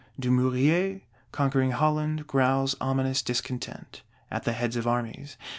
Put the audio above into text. Dumouriez, conquering Holland, growls ominous discontent, at the head of Armies.